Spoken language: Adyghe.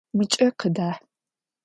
Мыкӏэ къыдахь!